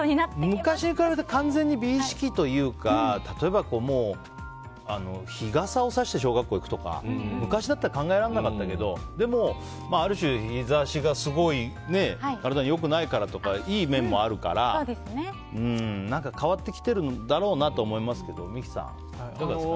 昔に比べると美意識というか例えば日傘をさして小学校に行くとか昔だったら考えられなかったけどある種、日差しが体に良くないからとかいい面があるから変わってきてるんだろうなと思いますけど三木さん。